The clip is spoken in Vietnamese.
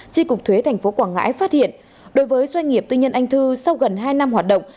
tri cục thuế tp quảng ngãi phát hiện đối với doanh nghiệp tư nhân anh thư sau gần hai năm hoạt động